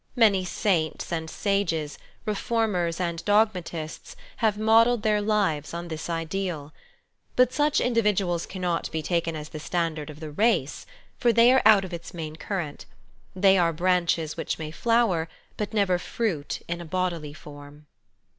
Many saints and sages, reformers and dogmatists have modelled their lives on this ideal. But such individuals cannot be taken as the standard of the race, for they are out of its main current : they are branches which may flower, but never fruit in a bodily form.